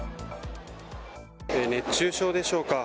熱中症でしょうか。